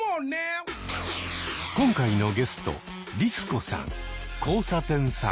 今回のゲストリス子さん交差点さん